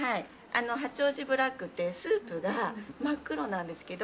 「八王子ブラック」ってスープが真っ黒なんですけど。